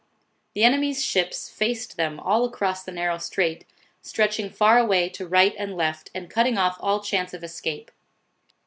The enemy's ships faced them all across the narrow strait, stretching far away to right and left, and cutting off all chance of escape.